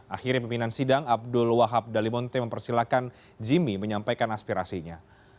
akhirnya pimpinan sidang abdul wahab dalimonte mempersilahkan jimmy menyampaikan aspirasinya